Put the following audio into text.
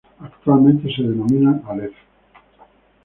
Actualmente se denominan Aleph.